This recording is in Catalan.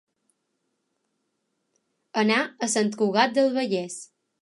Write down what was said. Anar a Sant Cugat del Vallès.